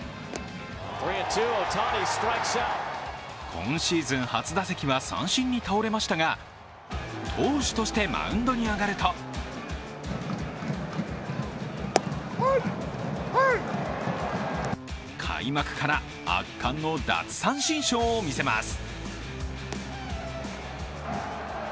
今シーズン初打席は三振に倒れましたが投手としてマウンドに上がると開幕から圧巻の奪三振ショーを見せます。